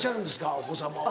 お子様は。